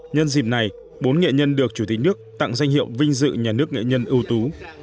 nhân dịp này bốn nghệ nhân được chủ tịch nước tặng danh hiệu vinh dự nhà nước nghệ nhân ưu tú